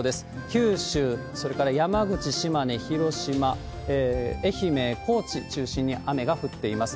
九州、それから山口、島根、広島、愛媛、高知中心に雨が降っています。